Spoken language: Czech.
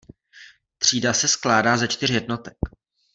Třída se skládala ze čtyř jednotek.